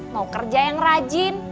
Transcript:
mau kerja yang rajin